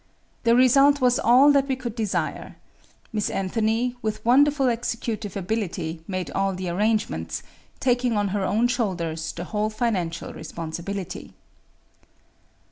The result was all that we could desire. Miss Anthony, with wonderful executive ability, made all the arrangements, taking on her own shoulders the whole financial responsibility.